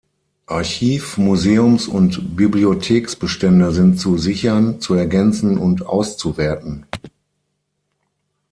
Archiv-, Museums- und Bibliotheksbestände sind zu sichern, zu ergänzen und auszuwerten.